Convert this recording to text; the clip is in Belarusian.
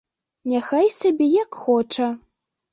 Няхай сабе як хоча.